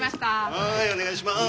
はいお願いします。